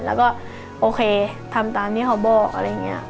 แล้วก็โอเคทำตามที่เขาบอกอะไรอย่างนี้